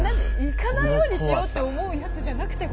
行かないようにしようって思うやつじゃなくて？